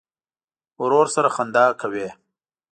ورور سره خندا کوې.